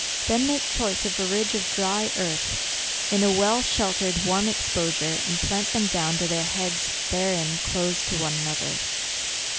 Then make choice of a ridge of dry earth, in a well sheltered, warm R 194 NOVEMBER. exposure, and plant them down to their heads therein, close to one another.